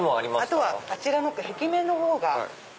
あとはあちらの壁面の方が。